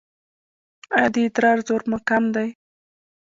ایا د ادرار زور مو کم دی؟